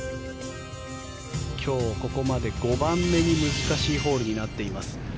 今日ここまで５番目に難しいホールになっています。